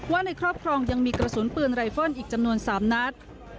ในครอบครองยังมีกระสุนปืนไรฟอนด์อีกจำนวน๓นัด